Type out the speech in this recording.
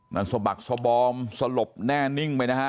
มันสะบักสบอมสลบแน่นิ่งไปนะฮะ